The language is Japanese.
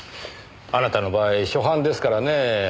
あなたの場合初犯ですからねえ。